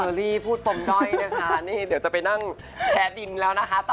อรี่พูดปมด้อยนะคะนี่เดี๋ยวจะไปนั่งแพ้ดินแล้วนะคะ